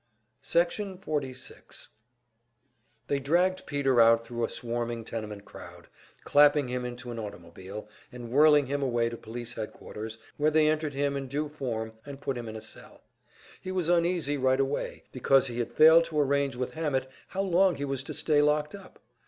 Section 46 They dragged Peter out thru a swarming tenement crowd, and clapped him into an automobile, and whirled him away to police headquarters, where they entered him in due form and put him in a cell. He was uneasy right away, because he had failed to arrange with Hammett how long he was to stay locked up.